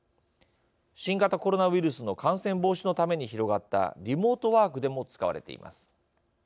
新型コロナウイルスの感染防止のために広がったリモートワークでも使われています。